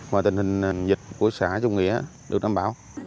mà tình hình dịch của xã trung nghĩa được đảm bảo